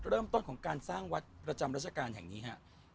จุดเริ่มต้นของการสร้างวัดประจำรัชกาลแห่งนี้แห่งนี้แห่งนี้